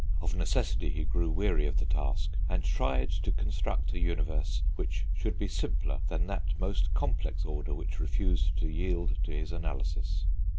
Of necessity, he grew weary of the task, and tried to construct a universe which should be simpler than that most complex order which refused to yield to his analysis."